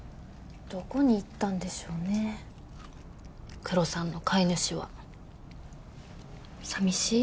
どこに行ったんでしょうねクロさんの飼い主はさみしい？